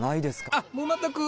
あっ、もう全く。